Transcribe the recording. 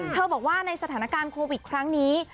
บอกว่าในสถานการณ์โควิดครั้งนี้